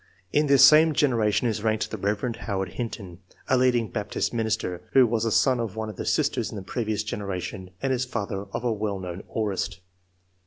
In this same generation 62 EXGUSH MSy OF SCIKSCE. Ichap. m ranked the Rev. Howard Hinton, a leading Baptist minister, who was a son of one of the sisters in the previous generation, and is father of a well known aorist.